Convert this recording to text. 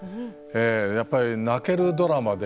やっぱり泣けるドラマで